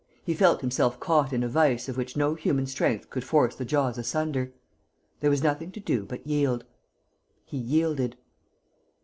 He felt himself caught in a vise of which no human strength could force the jaws asunder. There was nothing to do but yield. He yielded.